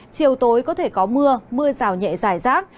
chiều tối có thể có mưa mưa rào nhẹ dài rác